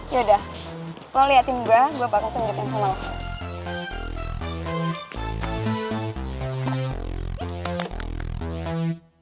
ya udah lo liatin gue gue bakal tunjukin sama lo